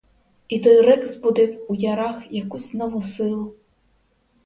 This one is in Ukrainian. І той рик збудив у ярах якусь нову силу.